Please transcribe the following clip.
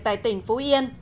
tại tỉnh phú yên